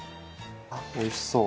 あっおいしそう。